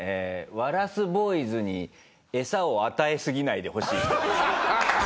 ワラスボーイズにエサを与えすぎないでほしい人です。